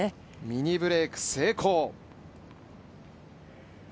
ミニブレーク成功、３−２。